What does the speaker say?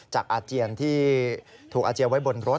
จากอาเจียร์ที่ถูกอาเจียร์บนรถ